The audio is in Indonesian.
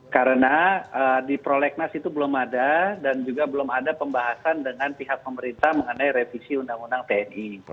karena di prolegnas itu belum ada dan juga belum ada pembahasan dengan pihak pemerintah mengenai revisi undang undang tni